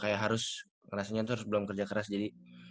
kayak harus ngerasanya tuh harus belum kerja keras jadi